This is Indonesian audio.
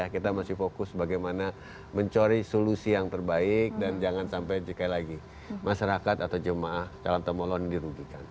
kita masih fokus bagaimana mencari solusi yang terbaik dan jangan sampai sekali lagi masyarakat atau jemaah calon tamu allah dirugikan